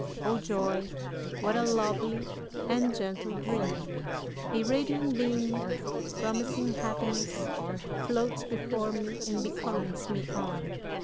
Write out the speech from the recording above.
] O joy! What a lovely and gentle dream! A radiant being, promising happiness, floats before me and beckons me on.